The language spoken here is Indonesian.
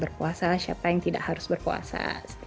berpuasa siapa yang tidak harus berpuasa